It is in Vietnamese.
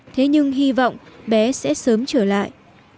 thế nhưng hy vọng bé sẽ sớm trở lại